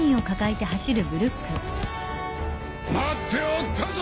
待っておったぞ！